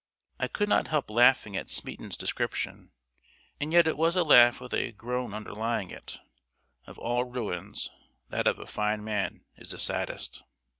I could not help laughing at Smeaton's description, and yet it was a laugh with a groan underlying it. Of all ruins, that of a fine man is the saddest.